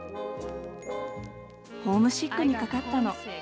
ホームシックにかかったの。